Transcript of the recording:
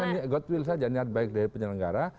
jadi hanya god will saja niat baik dari penyelenggara